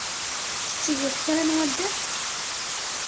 Tettgeḍ kra n waddal?